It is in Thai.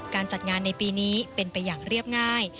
การจัดงานในปีนี้เป็นไปอย่างเรียบง่าย